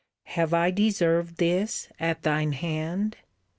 "Have I deserved this at thine hand?